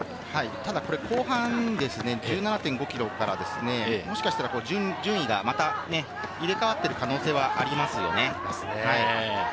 ただ後半１７．５ｋｍから、もしかしたら順位がもしかしたら入れ替わっている可能性もありますよね。